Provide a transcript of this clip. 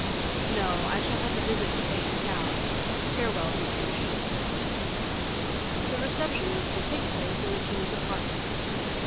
"No; I shall have a visit to pay in town. Farewell, De Guiche." The reception was to take place in the king's apartments.